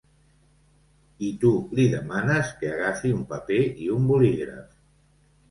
I tu li demanes que agafi un paper i un bolígraf.